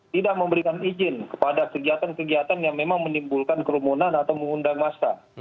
tidak memberikan izin kepada kegiatan kegiatan yang memang menimbulkan kerumunan atau mengundang massa